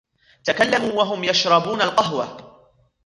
تكلموا وهم يشربون القهوة.